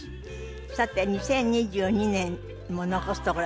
さて２０２２年も残すところ